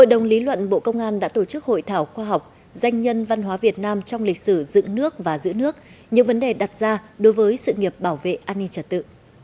hội đồng lý luận bộ công an đã tổ chức hội thảo khoa học danh nhân văn hóa việt nam trong lịch sử dựng nước và giữ nước những vấn đề đặt ra đối với sự nghiệp bảo vệ an ninh trật tự